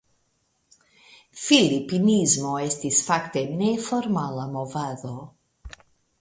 Filipinismo estis fakte neformala movado.